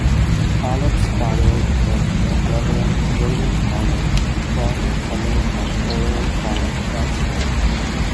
Collett's father was the Reverend William Collett, a former fellow of Oriel College, Oxford.